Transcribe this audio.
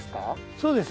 そうですね。